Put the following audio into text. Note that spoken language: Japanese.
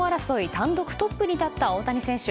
単独トップに立った大谷選手。